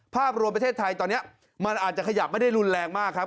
ภาพรวมประเทศไทยตอนนี้มันอาจจะขยับไม่ได้รุนแรงมากครับ